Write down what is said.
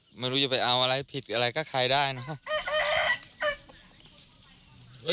ไม่รู้จะไปเอาอะไรผิดอะไรก็ใครได้นะครับ